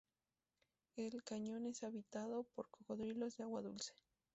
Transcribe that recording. El cañón es habitado por cocodrilos de agua dulce.